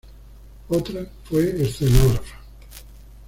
Otra fue escenógrafa.